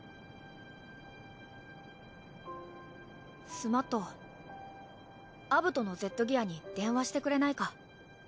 スマットアブトのＺギアに電話してくれないか。